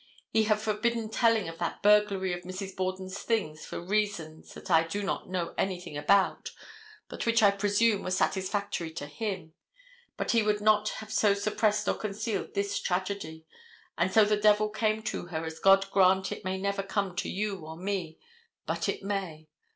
He had forbidden telling of that burglary of Mrs. Borden's things for reasons that I do not know anything about, but which I presume were satisfactory to him, but he would not have so suppressed or concealed this tragedy, and so the devil came to her as God grant it may never come to you or me, but it may.